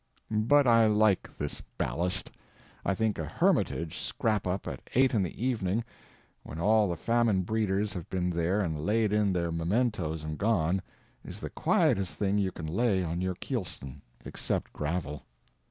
But I like this ballast. I think a "Hermitage" scrap up at eight in the evening, when all the famine breeders have been there and laid in their mementoes and gone, is the quietest thing you can lay on your keelson except gravel.